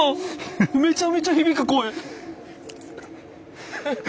めちゃめちゃ響く声！